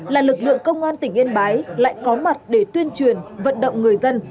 là lực lượng công an tỉnh yên bái lại có mặt để tuyên truyền vận động người dân